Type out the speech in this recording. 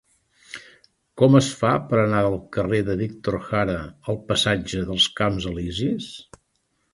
Com es fa per anar del carrer de Víctor Jara al passatge dels Camps Elisis?